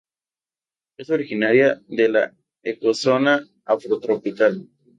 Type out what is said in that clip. Es originaria de la ecozona afrotropical.